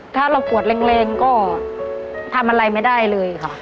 ถ้าเราปวดแรงก็ทำอะไรไม่ได้เลยค่ะ